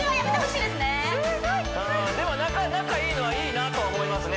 うんでも仲いいのはいいなとは思いますね